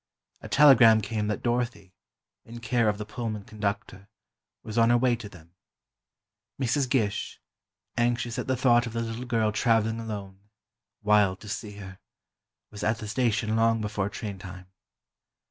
A telegram came that Dorothy, in care of the Pullman conductor, was on her way to them. Mrs. Gish, anxious at the thought of the little girl traveling alone, wild to see her, was at the station long before train time.